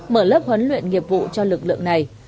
mở lớp huấn luyện nghiệp vụ cho lực lượng này